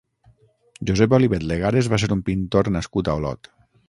Josep Olivet Legares va ser un pintor nascut a Olot.